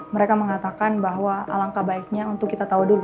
mereka mengatakan bahwa alangkah baiknya untuk kita tahu dulu